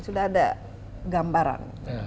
sudah ada gambaran